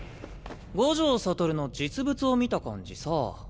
五条悟の実物を見た感じさ